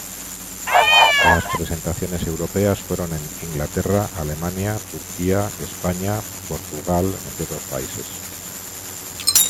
Las presentaciones europeas fueron en Inglaterra, Alemania, Turquía, España, Portugal entre otros países.